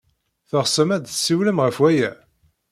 Teɣsem ad d-tessiwlem ɣef waya?